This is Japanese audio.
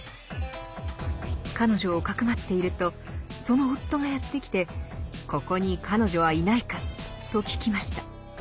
彼女をかくまっているとその夫がやって来て「ここに彼女はいないか？」と聞きました。